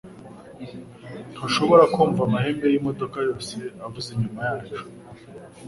Ntushobora kumva amahembe yimodoka yose avuza inyuma yacu?